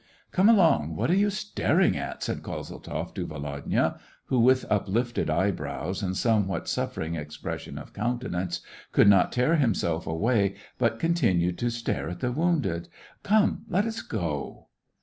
" Come along; what are you staring at }" said Kozeltzoff to Volodya, who, with uplifted eyebrows and somewhat suffering expression of counten ance, could not tear himself away, but continued to stare at the wounded. ''Come, let us go."